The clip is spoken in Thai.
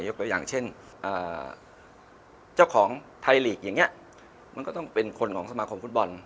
ตัวอย่างเช่นเจ้าของไทยลีกอย่างนี้มันก็ต้องเป็นคนของสมาคมฟุตบอล